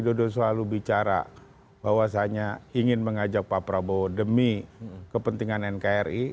pak jokowi dodo soebeli selalu bicara bahwasanya ingin mengajak pak prabowo demi kepentingan nkri